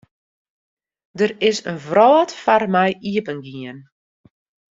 Der is in wrâld foar my iepengien.